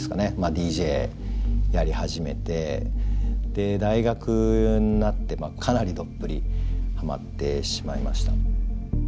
ＤＪやり始めて大学になってかなりどっぷりハマってしまいました。